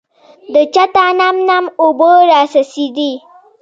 د چته نم نم اوبه راڅڅېدې .